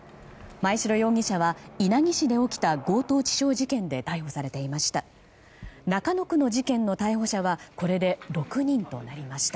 真栄城容疑者は稲城市で起きた強盗致傷事件で逮捕されていました。